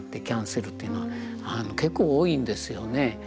キャンセルというのは結構多いんですよね。